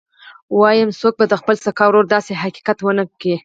وايم څوک به د خپل سکه ورور داسې خدمت ونه کي.